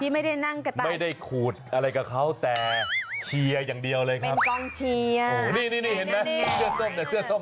ที่ไม่ได้นั่งกับไม่ได้ขูดอะไรกับเขาแต่เชียร์อย่างเดียวเลยครับเป็นกล้องเชียร์นี่นี่นี่เห็นไหมเสื้อส้มเสื้อส้ม